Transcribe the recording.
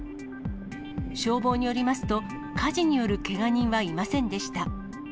消防によりますと、火事によるけが人はいませんでした。